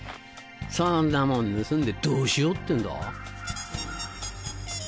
そんなもん盗んでどうしようってんだ？。